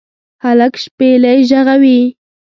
هلک شپیلۍ ږغوي